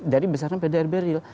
dari besarnya pdrb real